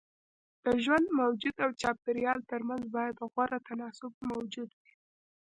د ژوندي موجود او چاپيريال ترمنځ بايد غوره تناسب موجود وي.